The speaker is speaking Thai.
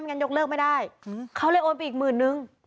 งั้นยกเลิกไม่ได้เขาเลยโอนไปอีกหมื่นนึง